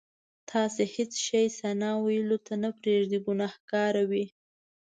تاسې هېڅ شی ثنا ویلو ته نه پرېږدئ ګناهګار وئ.